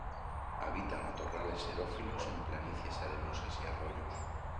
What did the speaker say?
Habita matorrales xerófilos en planicies arenosas y arroyos.